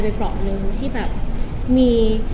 ไปปล่อยลืมที่แบบมี